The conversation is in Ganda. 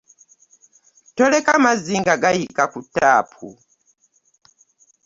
Toleka mazzi nga gayika ku taapu.